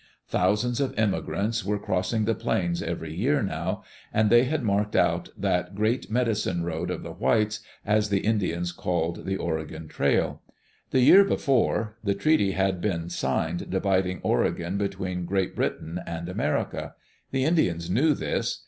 Thousands of immigrants were crossing the plains every year now, and they had marked out that "Great Medicine Road of the Whites," as the Indians called the Oregon trail. The year before, the treaty had been signed dividing Oregon between Great Britain and America. The Indians knew this.